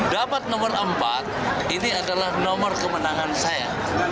dapat nomor empat ini adalah nomor kemenangan saya